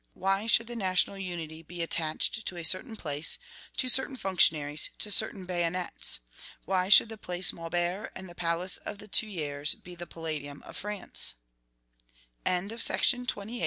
Why should the national unity be attached to a certain place, to certain functionaries, to certain bayonets? Why should the Place Maubert and the Palace of the Tuileries be the palladium of France? Now let me make an hypothesis.